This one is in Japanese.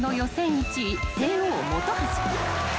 １位帝王本橋］